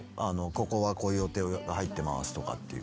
ここはこういう予定が入ってますとかっていう。